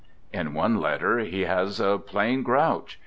In one letter he has a plain grouch.